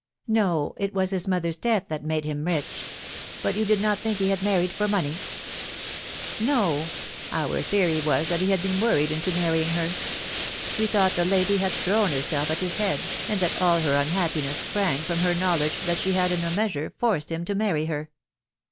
" No, it was his mother's death that made hint rich. But you did not think he had married for money ?"" No ; our theory was that he had been worried into marrying her. We thought the lady had thrown herself at his head, and that all her unhappiness sprang from her knowledge that she had in a measure forced him to marry her."